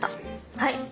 はい。